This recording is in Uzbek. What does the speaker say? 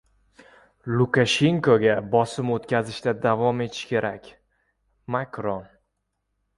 Lukashenkoga bosim o‘tkazishda davom etish kerak – Makron